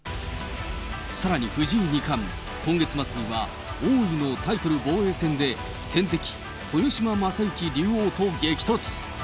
さらに藤井二冠、今月末には王位のタイトル防衛戦で、天敵、鳥島将之竜王と激突。